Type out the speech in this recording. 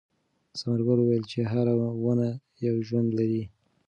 ثمر ګل وویل چې هره ونه یو ژوند لري.